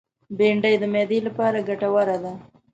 بېنډۍ د معدې لپاره ګټوره ده